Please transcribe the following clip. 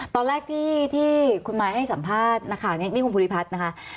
ตอนแรกที่คุณมายให้สัมภาษณ์นักข่าวนี่คุณภูริพัฒน์นะคะ